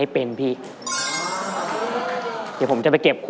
แล้ววันนี้ผมมีสิ่งหนึ่งนะครับเป็นตัวแทนกำลังใจจากผมเล็กน้อยครับ